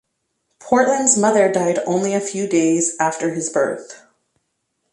Portland's mother died only a few days after his birth.